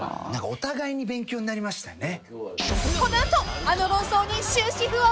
お互いに勉強になりましたね。